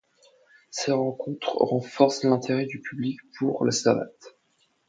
Ces rencontres renforcent l'intérêt du public pour la savate.